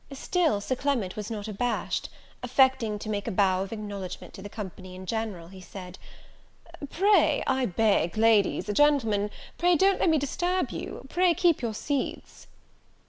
Still Sir Clement was not abashed; affecting to make a bow of acknowledgment to the company in general, he said, "Pray I beg Ladies, Gentlemen, pray don't let me disturb you, pray keep your seats."